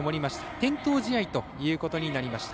点灯試合ということになりました。